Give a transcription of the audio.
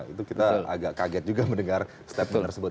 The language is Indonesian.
itu kita agak kaget juga mendengar step down tersebut